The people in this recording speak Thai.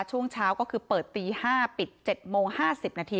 ช่วงเช้าก็คือเปิดตี๕ปิด๗โมง๕๐นาที